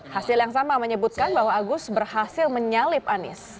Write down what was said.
hasil yang sama menyebutkan bahwa agus berhasil menyalip anies